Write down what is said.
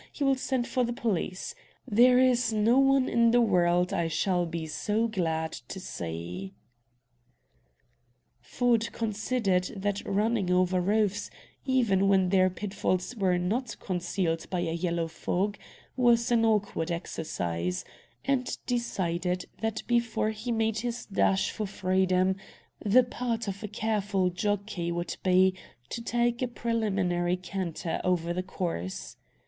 He will send for the police. There is no one in the world I shall be so glad to see!" Ford considered that running over roofs, even when their pitfalls were not concealed by a yellow fog, was an awkward exercise, and decided that before he made his dash for freedom, the part of a careful jockey would be to take a preliminary canter over the course.